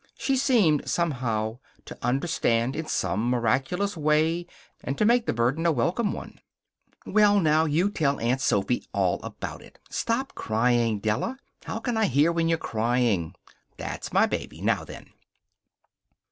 She seemed, somehow, to understand in some miraculous way, and to make the burden a welcome one. "Well, now, you tell Aunt Sophy all about it. Stop crying, Della. How can I hear when you're crying! That's my baby. Now, then."